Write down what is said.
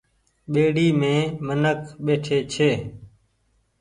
ٻيڙي مين منک ٻيٺي ڇي۔